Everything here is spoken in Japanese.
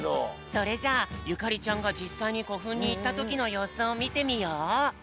それじゃあゆかりちゃんがじっさいにこふんにいったときのようすをみてみよう。